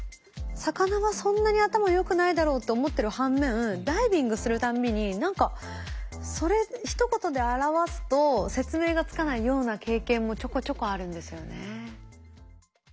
魚はそんなに頭良くないだろうって思ってる反面ダイビングするたんびに何かそれひと言で表すと説明がつかないような経験もちょこちょこあるんですよね。